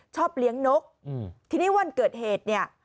ชอบเลี้ยงนกทีนี้วันเกิดเหตุเนี่ย